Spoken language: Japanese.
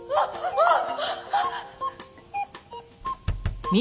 あっ！